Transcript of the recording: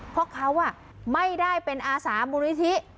เพราะเขาไม่ได้เป็นอาสามูลนิธิ